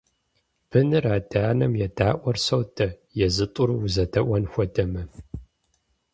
Быныр адэ-анэм едаӀуэр содэ, езы тӀур узэдэӀуэн хуэдэмэ.